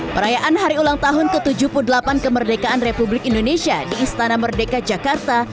perayaan hari ulang tahun ke tujuh puluh delapan kemerdekaan republik indonesia di istana merdeka jakarta